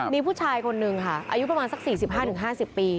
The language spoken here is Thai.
มีผู้ชายคนนึงค่ะอายุประมาณสัก๔๕๕๐ปี